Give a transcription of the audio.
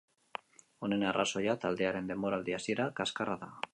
Honen arrazoia taldearen denboraldi hasiera kaskarra da.